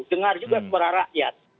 dengar juga suara rakyat